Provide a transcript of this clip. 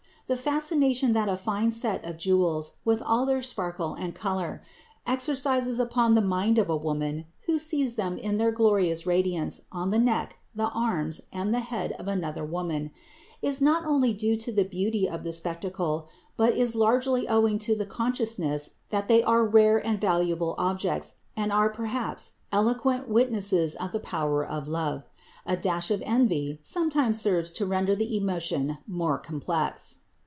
The fascination that a fine set of jewels, with all their sparkle and color, exercises upon the mind of a woman who sees them in their glorious radiance on the neck, the arms, and the head of another woman, is not only due to the beauty of the spectacle, but is largely owing to the consciousness that they are rare and valuable objects and are perhaps eloquent witnesses of the power of love. A dash of envy sometimes serves to render the emotion more complex.